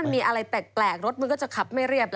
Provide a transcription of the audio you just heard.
มีอะไรแปลกรถมันก็จะขับไม่เรียบ